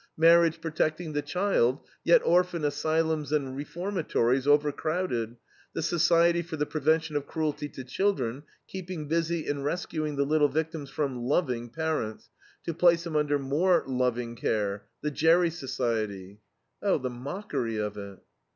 Marriage protecting the child, yet orphan asylums and reformatories overcrowded, the Society for the Prevention of Cruelty to Children keeping busy in rescuing the little victims from "loving" parents, to place them under more loving care, the Gerry Society. Oh, the mockery of it!